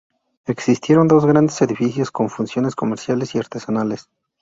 Existieron dos grandes edificios con funciones comerciales y artesanales.